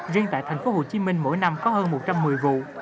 riêng tại tp hcm mỗi năm có hơn một trăm một mươi vụ